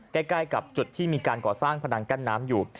ใกล้กับจุดที่มีการก่อสร้างพนังกั้นน้ำอยู่